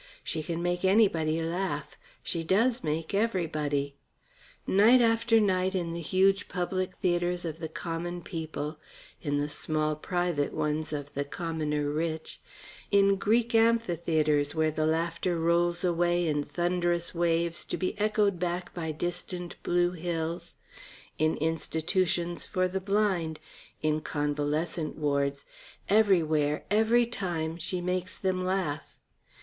She can make anybody laugh; she does make everybody. Night after night in the huge public theatres of the common people; in the small private ones of the commoner rich; in Greek amphitheatres where the laughter rolls away in thunderous waves to be echoed back by distant blue hills; in institutions for the blind; in convalescent wards; everywhere, every time, she makes them laugh.